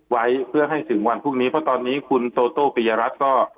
ไว้เพื่อให้ถึงวันพรุ่งนี้เพราะตอนนี้คุณโตโต้ปิยรัฐก็